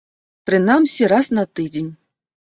Прынамсі, раз на тыдзень.